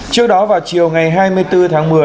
trước đó vào chiều ngày hai mươi bốn tháng một mươi